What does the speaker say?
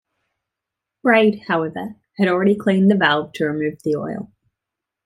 Brade, however, had already cleaned the valve to remove the oil.